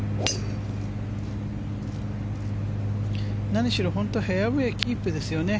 何しろフェアウェーキープですよね